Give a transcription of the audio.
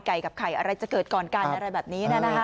กับไข่อะไรจะเกิดก่อนกันอะไรแบบนี้นะคะ